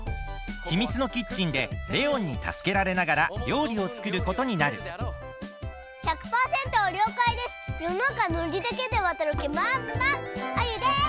ひみつのキッチンでレオンにたすけられながらりょうりをつくることになる１００パーセントりょうかいです！よのなかノリだけでわたるきまんまんアユです！